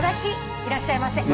いらっしゃいませ。